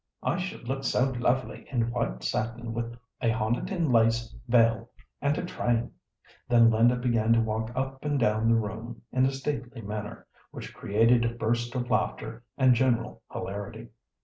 I should look so lovely in white satin with a Honiton lace veil and a train." Then Linda began to walk up and down the room in a stately manner, which created a burst of laughter and general hilarity.